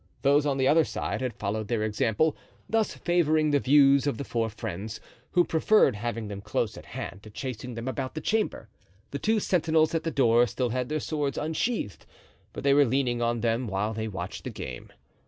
Those on the other side had followed their example, thus favoring the views of the four friends, who preferred having them close at hand to chasing them about the chamber. The two sentinels at the door still had their swords unsheathed, but they were leaning on them while they watched the game.